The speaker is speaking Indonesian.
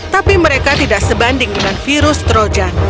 tapi mereka tidak sebanding dengan virus trojan